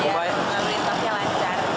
ya menaiki angkutan umumnya lancar